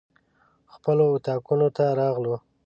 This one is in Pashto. خپلو اطاقونو ته راغلو.